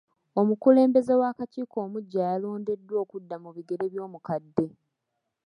Omukulembeze w'akakiiko omuggya yalondeddwa okudda mu bigere by'omukadde.